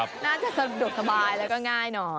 น่าจะสะดวกสบายแล้วก็ง่ายหน่อย